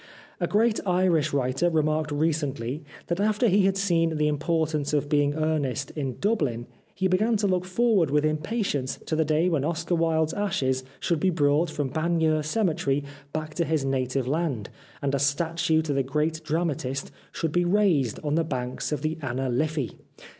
A great Irish writer remarked recently that after he had seen '' The Importance of Being Earnest " in Dubhn, he began to look forward with impatience to the day when Oscar Wilde's ashes should be brought from Bagneux cemetery back to his native land, and a statue to the great dramatist should be raised on the banks of the Anna Liffey.